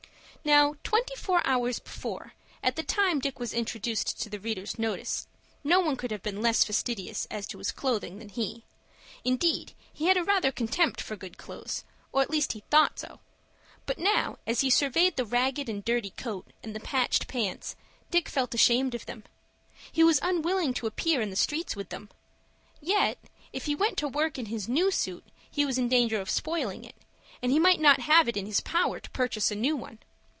Now, twenty four hours before, at the time Dick was introduced to the reader's notice, no one could have been less fastidious as to his clothing than he. Indeed, he had rather a contempt for good clothes, or at least he thought so. But now, as he surveyed the ragged and dirty coat and the patched pants, Dick felt ashamed of them. He was unwilling to appear in the streets with them. Yet, if he went to work in his new suit, he was in danger of spoiling it, and he might not have it in his power to purchase a new one.